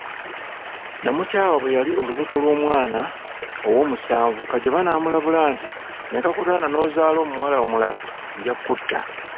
Namukwaya bwe yali olubuto lw'omwana owomusanvu, Kajoba namulabula nti nekakutanda n'ozaala omuwala omulala, nja kutta.